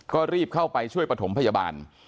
ก็รีบเข้าไปช่วยประถมพยาบาล